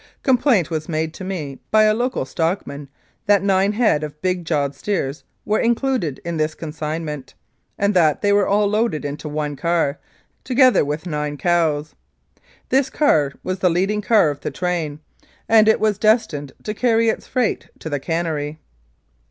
Complaint was made to me by a local stockman that nine head of big jawed steers were included in this consignment, and that they were all loaded into one car, together with nine cows. This car was the leading car of the train, and it was destined to carry its freight to the cannery.